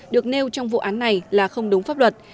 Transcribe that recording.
được nêu trong vụ án này là không đúng pháp luật